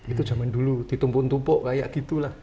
itu zaman dulu ditumpuk tumpuk kayak gitu lah